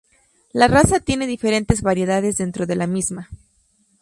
La raza tiene diferentes variedades dentro de la misma.